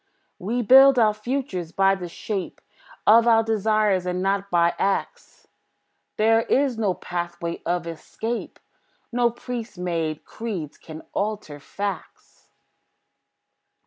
We build our futures by the shape Of our desires, and not by acts. There is no pathway of escape; No priest made creeds can alter facts.